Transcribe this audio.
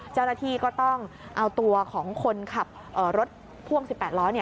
เจ้าหน้าที่ก็ต้องเอาตัวของคนขับรถพ่วง๑๘ล้อ